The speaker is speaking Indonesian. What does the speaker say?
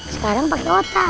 sekarang pakai otak